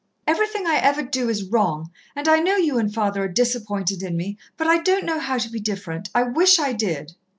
Everything I ever do is wrong, and I know you and father are disappointed in me, but I don't know how to be different I wish I did."